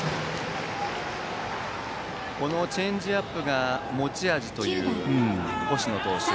このチェンジアップが持ち味という星野投手。